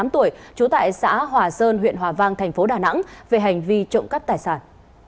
tám tuổi trú tại xã hòa sơn huyện hòa vang thành phố đà nẵng về hành vi trộm cắp tài sản